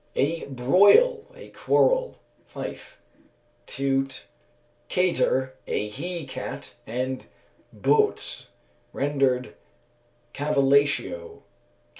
_ A broil, a quarrel (Fife). Teut., kater, a he cat, and boetse, rendered _cavillatio, q.